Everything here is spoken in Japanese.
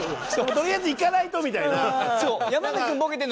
とりあえずいかないとみたいな。